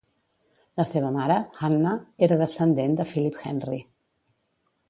La seva mare, Hannah, era descendent de Philip Henry.